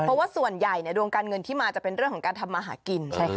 เพราะว่าส่วนใหญ่ดวงการเงินที่มาจะเป็นเรื่องของการทำมาหากิน